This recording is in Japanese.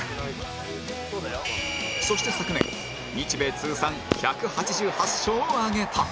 そして昨年日米通算１８８勝を挙げた